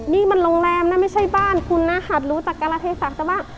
นี่มันโรงแรมนะไม่ใช่บ้านคุณนะหาดรู้จักการาเทศักดิ์ซะบ้าง